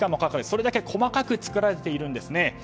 それだけ細かく作られているんですね。